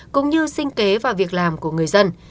cũng như sinh kế và việc làm của người dân